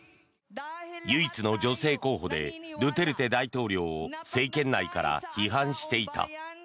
唯一の女性候補でドゥテルテ大統領を政権内から批判していた。